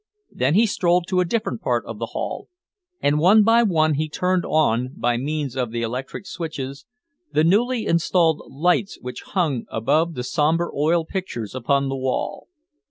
Then he strolled to a different part of the hall, and one by one he turned on, by means of the electric switches, the newly installed lights which hung above the sombre oil pictures upon the wall.